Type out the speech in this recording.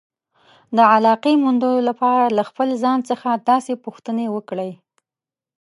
د علاقې موندلو لپاره له خپل ځان څخه داسې پوښتنې وکړئ.